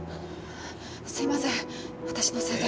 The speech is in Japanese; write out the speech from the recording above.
すいません私のせいで。